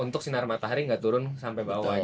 untuk sinar matahari nggak turun sampai bawah